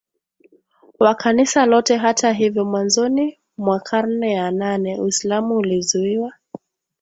wa Kanisa lote Hata hivyo mwanzoni mwa karne ya nane Uislamu ulizuiwa